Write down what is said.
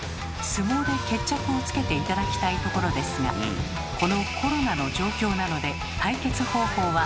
相撲で決着をつけて頂きたいところですがこのコロナの状況なので対決方法は。